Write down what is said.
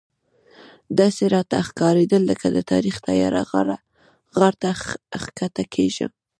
داسې راته ښکارېدل لکه د تاریخ تیاره غار ته ښکته کېږم.